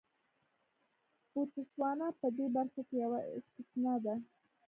بوتسوانا په دې برخه کې یوه استثنا ده.